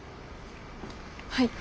はい。